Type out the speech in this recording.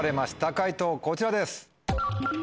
解答こちらです。